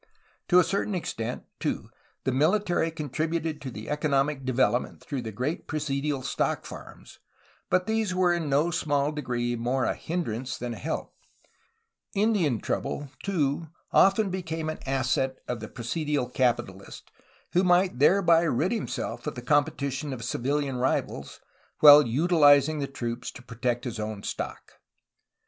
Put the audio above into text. To a certain extent, too, the military contributed to economic development through the great presidial stock farms, but these were in no small degree more a hindrance than a help; Indian trouble too often became an asset of the presidial capitaUst, who might thereby rid himself of the competition of civilian rivals, while utihzing the troops to protect his own stock.